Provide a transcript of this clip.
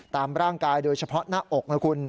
ตามร่างกายโดยเฉพาะหน้าอกนะคุณ